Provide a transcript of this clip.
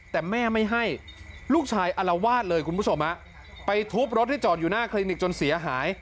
แต่แม่ไม่ให้ลูกชายอารวาสเลยคุณผู้ชมไปทุบรถที่จอดอยู่หน้าคลินิกจนเสียหาย